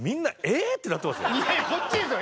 いやこっちですよ